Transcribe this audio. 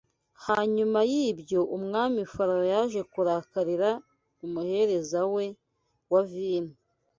Hanyuma y’ibyo umwami Farawo yaje kurakarira umuhereza we wa vino